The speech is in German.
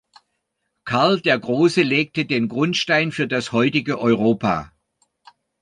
Karl der Große legte den Grundstein für das heutige Europa.